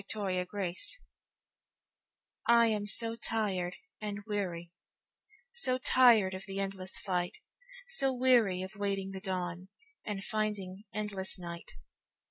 Supplication I AM so tired and weary, So tired of the endless fight, So weary of waiting the dawnAnd finding endless night.